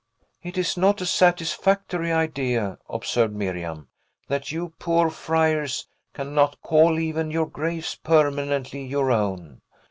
"It is not a satisfactory idea," observed Miriam, "that you poor friars cannot call even your graves permanently your own.